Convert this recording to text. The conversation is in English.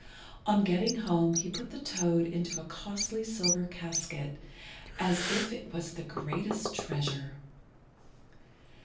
On getting home he put the toad into a costly silver casket, as if it was the greatest treasure.